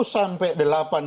satu sampai delapan